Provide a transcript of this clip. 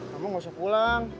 kamu gak usah pulang